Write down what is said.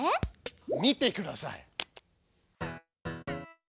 見てください。